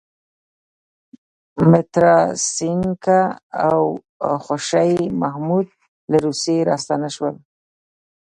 متراسینکه او خوشی محمد له روسیې راستانه شول.